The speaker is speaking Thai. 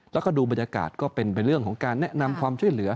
แล้วก็ดูบรรยากาศก็เป็นไปเรื่องของการแนะนำความช่วยเหลือ